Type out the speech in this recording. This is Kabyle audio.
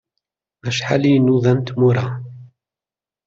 Acḥal i nnuda n tmura!